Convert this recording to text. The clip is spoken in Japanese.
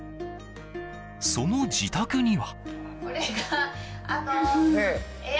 その自宅には。